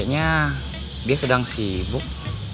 kayaknya dia sedang sibuk